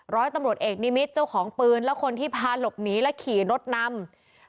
ร้อยตำรวจเอกนิมิตรเจ้าของปืนและคนที่พาหลบหนีและขี่รถนำ